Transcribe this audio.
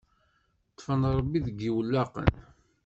Ṭfen Ṛebbi deg yiwellaqen.